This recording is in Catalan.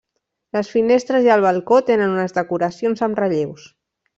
Les finestres i el balcó tenen unes decoracions amb relleus.